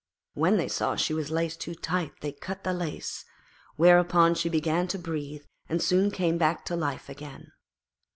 When they saw she was laced too tight they cut the lace, whereupon she began to breathe and soon came back to life again.